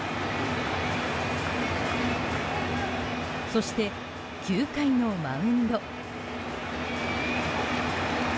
そして９回のマウンド。